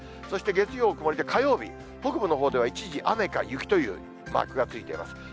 そして月曜曇りで、火曜日、北部のほうでは一時雨か雪という、マークがついています。